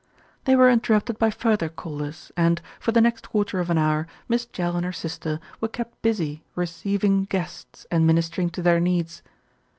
They were interrupted by further callers and, for the next quarter of an hour, Miss Jell and her sister were kept busy receiving guests and ministering to their needs.